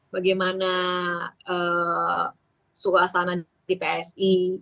bagaimana suasana di psi